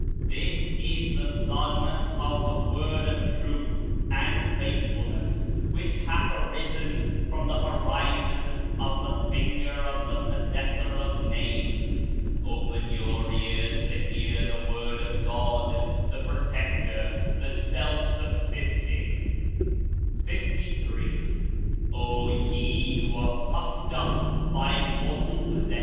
This is the Sun of the Word of Truth and Faithfulness which hath arisen from the Horizon of the Finger of the Possessor of Names. Open your ears to hear the word of GOD, the Protector, the Self Subsisting. 53. O YE THAT PRIDE YOURSELVES ON MORTAL RICHES!